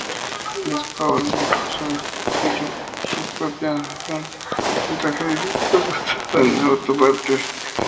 Les Paul incluso construyó su propia planta de montaje de discos, basada en autopartes.